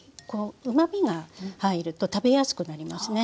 うまみが入ると食べやすくなりますね。